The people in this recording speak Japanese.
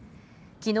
きのう